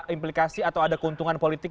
implikasi atau ada keuntungan politik